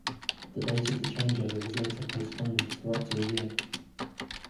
The date of the changeover was later postponed for up to a year.